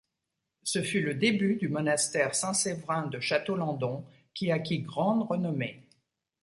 Ce fut le début du monastère saint-Séverin de Château-Landon, qui acquit grande renommée.